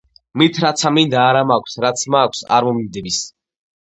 მით რაცა მინდა, არა მაქვს, რაცა მაქვს, არ მომინდების.